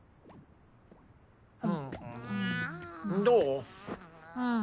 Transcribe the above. どう？